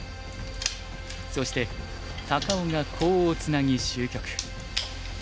そして高尾がコウをツナぎ終局。